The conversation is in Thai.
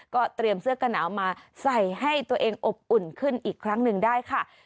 ก็เตรียมเสื้อกระหนาวมาใส่ให้ตัวเองอบอุ่นขึ้นอีกครั้งหนึ่งได้ค่ะ